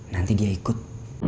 nanti dia ikut